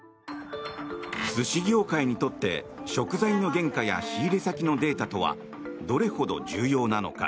寿司業界にとって食材の原価や仕入れ先のデータとはどれほど重要なのか。